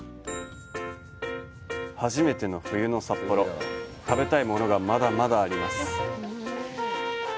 初めての冬の札幌食べたいものがまだまだあります。